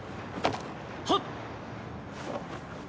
はっ！